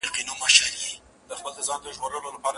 هم په وروڼو غازي کیږي هم د ورور په لاس شهید سي